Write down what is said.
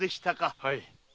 はい。